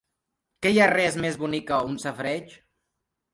Que hi ha res més bonic que un safareig?